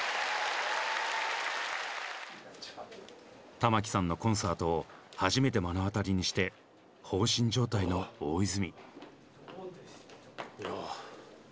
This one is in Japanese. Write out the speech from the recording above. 玉置さんのコンサートを初めて目の当たりにして放心状態の大泉。